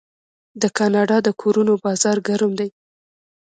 د کاناډا د کورونو بازار ګرم دی.